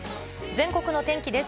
全国の天気です。